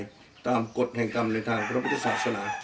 ตามกฎแห่งกรรมในทางพระพุทธศาสนา